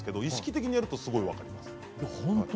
意識的にやるとすごく分かります。